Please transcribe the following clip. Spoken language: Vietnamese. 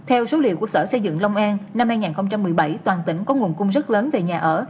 theo số liệu của sở xây dựng long an năm hai nghìn một mươi bảy toàn tỉnh có nguồn cung rất lớn về nhà ở